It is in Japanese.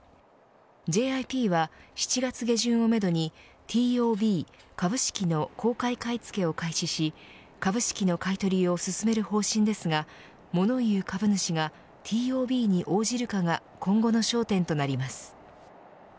ＪＩＰは７月下旬をめどにＴＯＢ、株式の公開買い付けを開始し株式の買い取りを進める方針ですがモノ言う株主がＴＯＢに応じるかが今後の焦点となります。